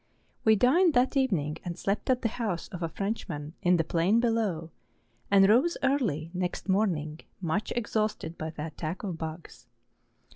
We dined that evening and slept at the house of a Frenchman in the plain below, and rose early next morning much exhausted by the attacks of bugs.